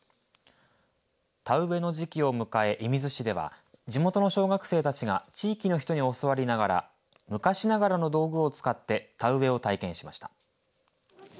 田植えの時期を迎え射水市では地元の小学生たちが地域の人に教わりながら昔ながらの道具を使って田植えを体験しました。